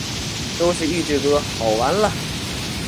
都是预制歌，好完了！